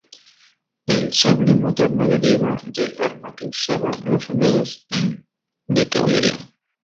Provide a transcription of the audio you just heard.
El sable moderno deriva del arma que usaban los soldados de caballería.